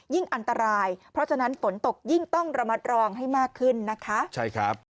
ยิ่งอันตรายเพราะฉะนั้นฝนตกยิ่งต้องระมัดรองให้มากขึ้นนะคะ